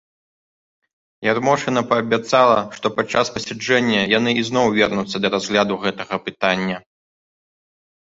Ярмошына паабяцала, што падчас пасяджэння яны ізноў вернуцца да разгляду гэтага пытання.